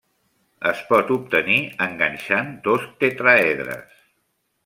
Es pot obtenir enganxant dos tetràedres.